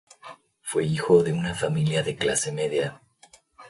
Fue hijo de una familia de clase media.